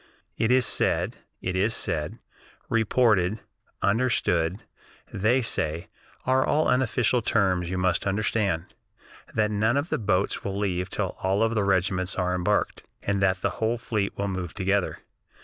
It is said (it is said, reported, understood, they say, are unofficial terms, you must understand) that none of the boats will leave till all the regiments are embarked, and that the whole fleet will move together.